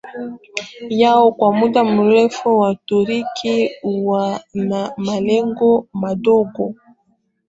yao kwa muda mrefu Waturuki huwa na malengo madogo